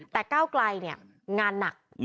แต่ก้าวไกลเนี่ยงานหนัก